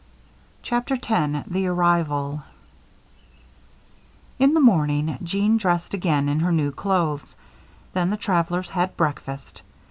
CHAPTER X THE ARRIVAL In the morning Jeanne dressed again in her new clothes. Then the travelers had breakfast.